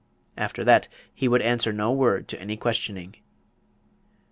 After that he would answer no word to any questioning.